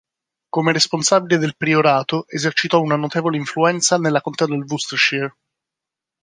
Come responsabile del Priorato esercitò una notevole influenza nella contea del Worcestershire.